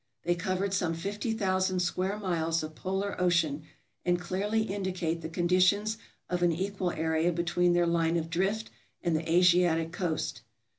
"They covered some 50,000 square miles of polar ocean, and clearly indicate the conditions of an equal area between their line of drift and the Asiatic coast."